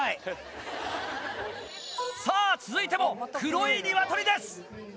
さぁ続いても黒いニワトリです。